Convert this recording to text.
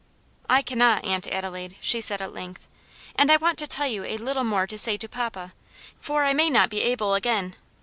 "I cannot, Aunt Adelaide," she said at length, "and I want to tell you a little more to say to papa, for I may not be able again.